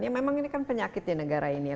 ya memang ini kan penyakit di negara ini ya